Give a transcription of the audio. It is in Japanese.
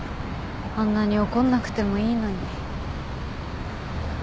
あんなに怒んなくてもいいのに。